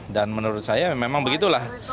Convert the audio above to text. dan menurut saya memang begitulah